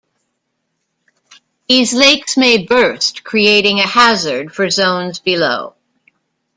These lakes may burst, creating a hazard for zones below.